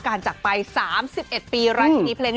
การจักรไป๓๑ปีรายชีพเพลง